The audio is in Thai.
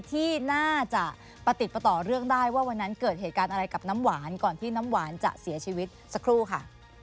ที่น่าจะประติดประต่อเรื่องได้ว่าวันนั้นเกิดเหตุการณ์อะไรกับน้ำหวานก่อนที่น้ำหวานจะเสียชีวิตสักครู่ค่ะ